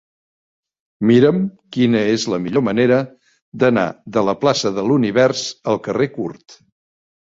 Mira'm quina és la millor manera d'anar de la plaça de l'Univers al carrer Curt.